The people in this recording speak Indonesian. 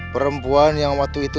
perempuan yang waktu itu